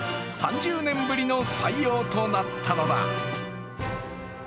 ３０年ぶりの採用となったのだ。